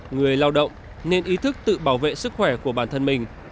người lao động nên ý thức tự bảo vệ sức khỏe của bản thân mình